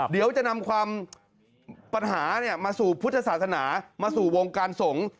เดี๋ยวจะนำความปัญหามาสู่พุทธศาสนามาสู่วงการสงฆ์